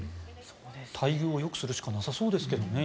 待遇をよくするしかなさそうですけどね